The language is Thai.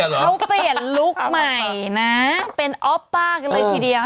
เขาเปลี่ยนลุคใหม่นะเป็นออฟป้ากันเลยทีเดียว